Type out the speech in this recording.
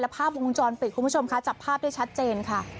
ภาพวงจรปิดคุณผู้ชมคะจับภาพได้ชัดเจนค่ะ